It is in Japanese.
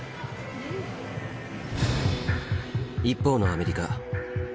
一方のアメリカ。